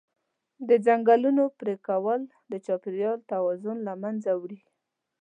د ځنګلونو پرېکول د چاپېریال توازن له منځه وړي.